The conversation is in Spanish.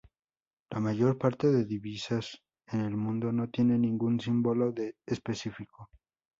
La mayor parte de divisas en el mundo no tienen ningún símbolo específico.